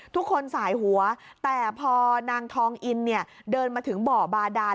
ทุกคนสายหัวแต่พอนางทองอินเนี่ยเดินมาถึงบ่อบาดาน